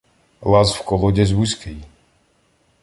Лаз в колодязь вузький.